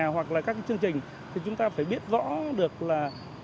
hoặc là các cái chương trình thì chúng ta phải biết rõ được là